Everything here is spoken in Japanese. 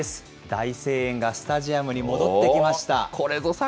大声援がスタジアムに戻ってきました。